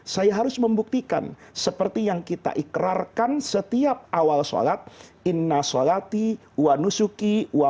saya harus membuktikan seperti yang kita ikrarkan setiap awal sholat inna sholati wa nusuki wa